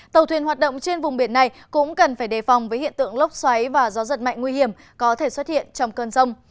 tàu thuyền hoạt động trên vùng biển này cũng cần phải đề phòng với hiện tượng lốc xoáy và gió giật mạnh nguy hiểm có thể xuất hiện trong cơn rông